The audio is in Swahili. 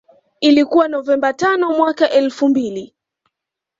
Ilikuwa Novemba tano mwaka elfu mbili